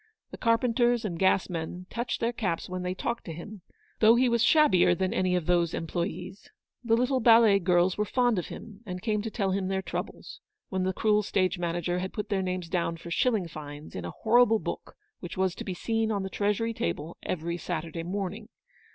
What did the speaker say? The carpenters and gasmen touched their caps when they talked to him, though he was shabbier than any of those employes ; the little ballet girls were fond of him, and came to tell him their troubles 120 ELEANOR S VICTORY. when the cruel stage manager had put their names down for shilling fines in a horrible book which was to be seen on the treasury table every Saturday morning.